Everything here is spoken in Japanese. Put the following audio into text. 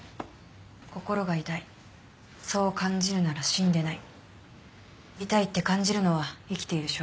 「『心が痛い』そう感じるなら死んでない」「痛いって感じるのは生きている証拠だ」